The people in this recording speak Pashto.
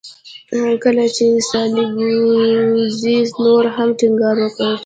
کله چې سالیزبوري نور هم ټینګار وکړ.